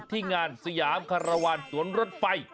ที่งานสยามคารวาลสวนรถไฟ